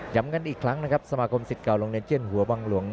กันอีกครั้งนะครับสมาคมสิทธิเก่าโรงเรียนเจียนหัววังหลวง